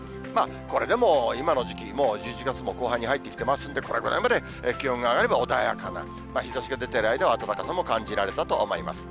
これでも今の時期、もう１１月も後半に入ってきてますんで、これぐらいまで気温が上がれば穏やかな、日ざしが出ている間は、暖かさも感じられたと思います。